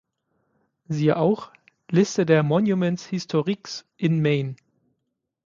Siehe auch: Liste der Monuments historiques in Mane